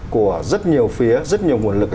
của rất nhiều phía rất nhiều nguồn lực